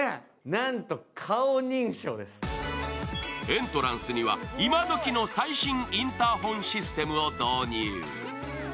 エントランスには今どきの最新インターホンシステムを導入。